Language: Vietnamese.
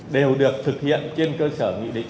theo sở tài chính cho biết